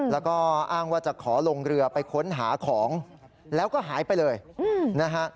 แล้วก็อ้างว่าจะขอลงเรือไปค้นหาของแล้วก็หายไปเลยนะฮะ